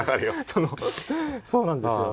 そのそうなんですよ。